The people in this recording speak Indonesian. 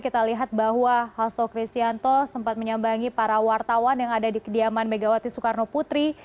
kita lihat bahwa hasto kristianto sempat menyambangi para wartawan yang ada di kediaman megawati soekarno putri